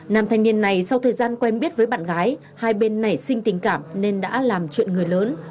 nam thanh niên này sau thời gian quen biết với bạn gái hai bên nảy sinh tình cảm nên đã làm chuyện người lớn